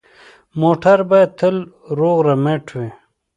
موټر باید تل روغ رمټ وي.